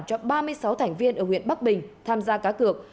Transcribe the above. cho ba mươi sáu thành viên ở huyện bắc bình tham gia cá cược